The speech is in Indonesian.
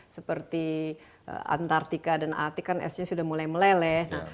seperti antartika dan atik kan esnya sudah mulai meleleh